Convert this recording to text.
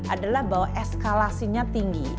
adalah bahwa eskalasinya tinggi